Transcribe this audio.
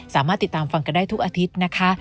สามารถติดตามฟังกันได้ทุกอาทิตย์นะคะ